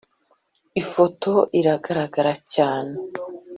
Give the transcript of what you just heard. ifoto iragaragara cyane